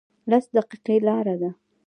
لس دقیقې لاره ده